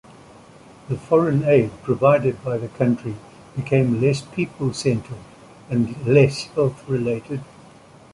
The foreign aid provided by the country became less "people-centered" and less health-related.